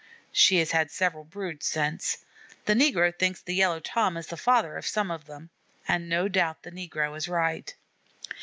She has had several broods since. The negro thinks the Yellow Tom is the father of some of them, and no doubt the negro is right.